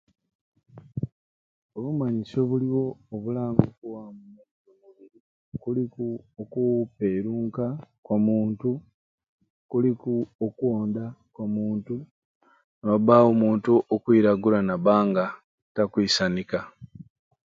Obumanyisyo obuluwo obulanga okuwamu amaizi omu mubiri kuluku oku peruuka kwa muntu kuluku okwonda kwa muntu niwabawo omuntu okwiragura naba nga takwisanika